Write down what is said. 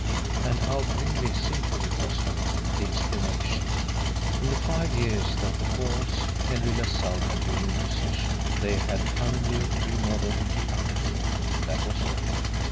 And how grimly simple it was now, the explanation! In the five years that the false Henry LaSalle had been in possession, they had cunningly remodelled the upper floor that was all!